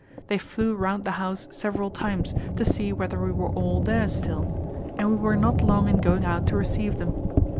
They flew round the house several times to see whether we were all there still; and we were not long in going out to receive them.